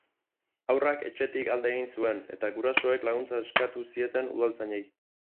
Haurrak etxetik alde egin zuen, eta gurasoek laguntza eskatu zieten udaltzainei.